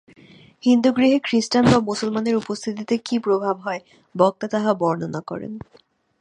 হিন্দুগৃহে খ্রীষ্টান বা মুসলমানের উপস্থিতিতে কি প্রভাব হয়, বক্তা তাহা বর্ণনা করেন।